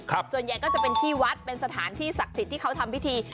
ส่วนใหญ่ก็จะเป็นที่วัดเป็นสถานที่ศักดิ์สิทธิ์ที่เขาทำพิธี